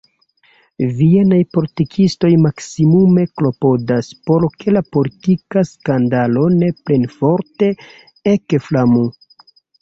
Vienaj politikistoj maksimume klopodas, por ke la politika skandalo ne plenforte ekflamu.